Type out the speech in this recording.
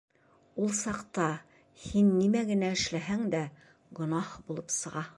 Ул саҡта, һин нимә генә эшләһәң дә, гонаһ булып сыға.